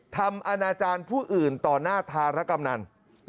ทำอาณาจารย์ผู้อื่นต่อหน้าทารกรรมนั่น